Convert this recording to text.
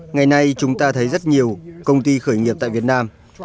ngày nay chúng ta thấy rất nhiều công ty khởi nghiệp tại việt nam